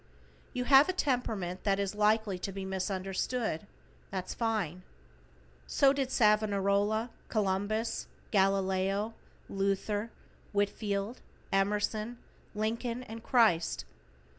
You have a temperament that is likely to be misunderstood; that's fine. So did Sarvonarola, Columbus, Galileo, Luther, Whitfield, Emerson, Lincoln and Christ.